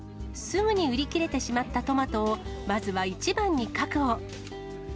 すぐに売り切れてしまったトマトをまずは一番に確保。